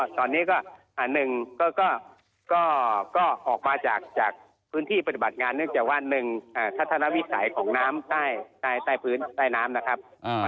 ตอนนี้ก็๑ก็ออกมาจากพื้นที่ปฏิบัติงานเนื่องจากว่า๑ทัศนวิสัยของน้ำใต้น้ำนะครับ